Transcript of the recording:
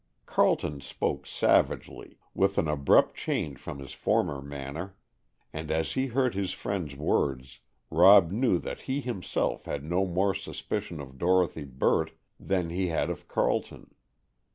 Carleton spoke savagely, with an abrupt change from his former manner, and as he heard his friend's words, Rob knew that he himself had no more suspicion of Dorthy Burt than he had of Carleton.